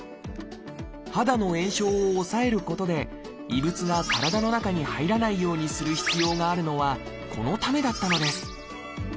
肌の炎症を抑えることで異物が体の中に入らないようにする必要があるのはこのためだったのです。